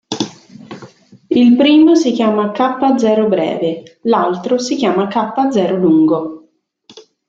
Il primo si chiama K-zero-breve, l'altro si chiama K-zero-lungo.